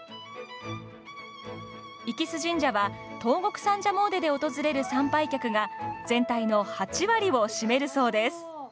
息栖神社は東国三社詣で訪れる参拝客が全体の８割を占めるそうです。